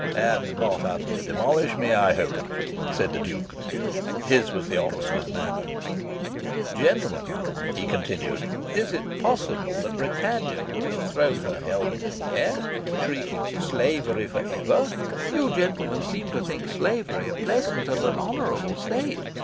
"And not utterly demolish me, I hope," said the Duke. His was the Oxford manner. "Gentlemen," he continued, "is it possible that Britannia would have thrown her helmet in the air, shrieking 'Slavery for ever'? You, gentlemen, seem to think slavery a pleasant and an honourable state.